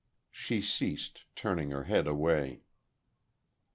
She ceased, turning her head away.